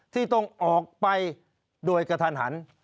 ที่ต้องออกไปโดยกระทันหัน